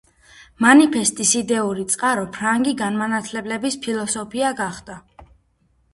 მანიფესტის იდეური წყარო ფრანგი განმანათლებლების ფილოსოფია გახდა.